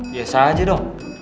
biasa aja dong